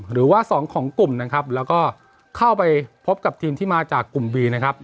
หรือว่าสองของกลุ่มนะครับแล้วก็เข้าไปพบกับทีมที่มาจากกลุ่มบีนะครับ